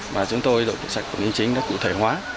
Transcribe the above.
và chúng tôi đội tự sạch quản lý chính đã cụ thể hóa